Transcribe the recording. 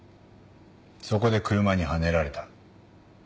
そこで車にはねられた。